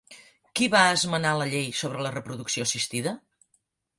Qui va esmenar la llei sobre la reproducció assistida?